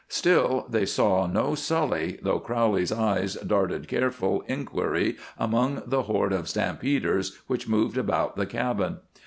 Still they saw no Sully, though Crowley's eyes darted careful inquiry among the horde of stampeders which moved about the cabin.